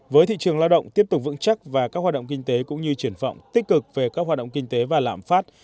với thị trường lao động tiếp tục vững chắc và các hoạt động kinh tế cũng như triển vọng tích cực về các hoạt động kinh tế và lạm phát